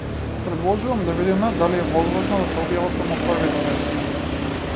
Предложувам да видиме дали е возможно да се објават само првите пет книги.